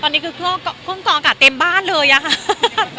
ตอนนี้คือเพิ่งก่อนกลางก็เต็มบ้านเลยครับ